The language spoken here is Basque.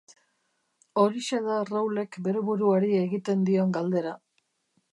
Horixe da Rawlek bere buruari egiten dion galdera.